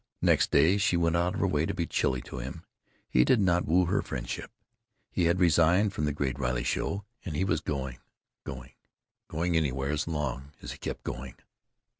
Next day she went out of her way to be chilly to him. He did not woo her friendship. He had resigned from the Great Riley Show, and he was going—going anywhere, so long as he kept going.